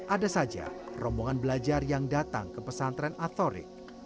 ada saja rombongan belajar yang datang ke pesantren atorik